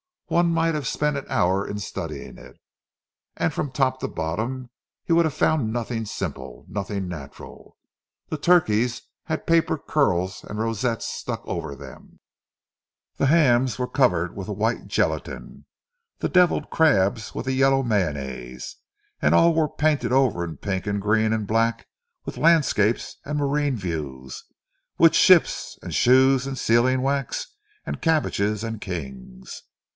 One might have spent an hour in studying it, and from top to bottom he would have found nothing simple, nothing natural. The turkeys had paper curls and rosettes stuck over them; the hams were covered with a white gelatine, the devilled crabs with a yellow mayonnaise—and all painted over in pink and green and black with landscapes and marine views—with "ships and shoes and sealing wax and cabbages and kings."